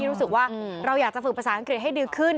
รู้สึกว่าเราอยากจะฝึกภาษาอังกฤษให้ดีขึ้น